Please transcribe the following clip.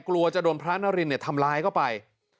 กลัวจะโดนพระนรินเนี่ทำร้ายเข้ากันไป